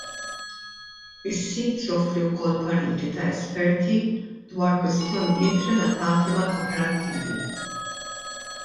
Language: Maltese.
Is-sit joffri wkoll pariri ta' esperti dwar kwistjonijiet relatati mal-koperattivi.